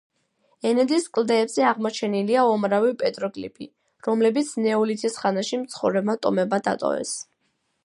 ენედის კლდეებზე აღმოჩენილია უამრავი პეტროგლიფი, რომლებიც ნეოლითის ხანაში მცხოვრებმა ტომებმა დატოვეს.